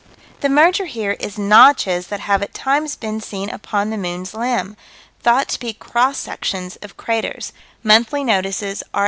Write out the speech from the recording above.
The merger here is notches that have at times been seen upon the moon's limb: thought to be cross sections of craters (_Monthly Notices, R.A.